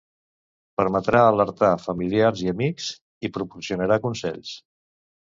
Permetrà alertar familiars i amics, i proporcionarà consells.